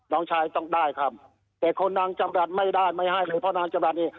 น้องชายต้องได้ครับแต่คนนางจำรัฐไม่ได้ไม่ให้เลยเพราะนางจำรัฐนี้